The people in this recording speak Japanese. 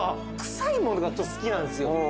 臭いものが好きなんですよ